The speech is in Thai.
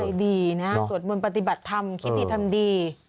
เขาก็มีทั้งใจดีนะฮะสวดมนต์ปฏิบัติธรรมคิดดีทำดี